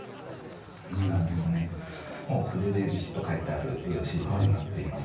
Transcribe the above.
こちらはですねもう筆でビシッと書いてある資料になっています。